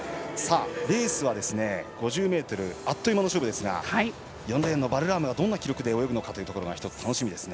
レースは、５０ｍあっというまの勝負ですが４レーンのバルラームどんな記録で泳ぐか１つ、楽しみですね。